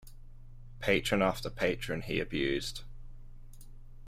Patron after patron he abused.